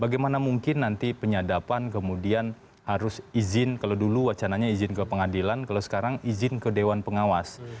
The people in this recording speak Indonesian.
bagaimana mungkin nanti penyadapan kemudian harus izin kalau dulu wacananya izin ke pengadilan kalau sekarang izin ke dewan pengawas